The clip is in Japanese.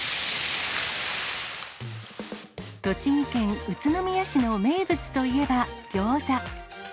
栃木県宇都宮市の名物といえば、ギョーザ。